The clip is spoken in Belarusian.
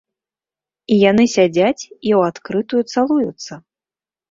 І яны сядзяць і ў адкрытую цалуюцца!